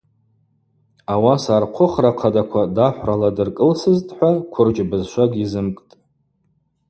Ауаса архъвыхра хъадаква дахӏврала дыркӏылсызтӏхӏва квырджь бызшва гьизымкӏтӏ.